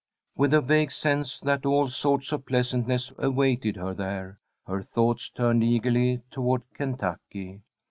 With a vague sense that all sorts of pleasantness awaited her there, her thoughts turned eagerly toward Kentucky.